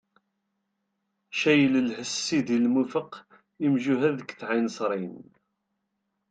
Caylellah s Sidi Lmufeq, imjuhad deg Tɛinsrin.